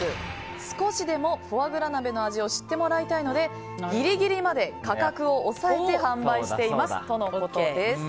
少しでもフォアグラの味を知ってもらいたいのでギリギリまで価格を抑えて販売しています